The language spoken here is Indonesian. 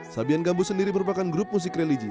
sabian gambut sendiri merupakan grup musik religi